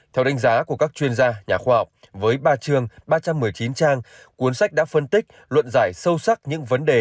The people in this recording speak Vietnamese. theo đánh giá của các chuyên gia nhà khoa học với ba trường ba trăm một mươi chín trang cuốn sách đã phân tích luận giải sâu sắc những vấn đề